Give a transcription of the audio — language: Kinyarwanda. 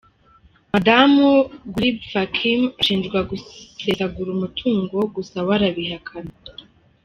Madamu Gurib-Fakim ashinjwa gusesagura umutungo gusa we arabihakana.